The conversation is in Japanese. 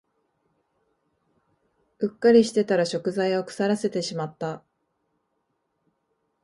うっかりしてたら食材を腐らせてしまった